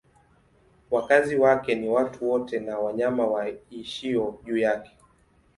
Wakazi wake ni watu wote na wanyama waishio juu yake.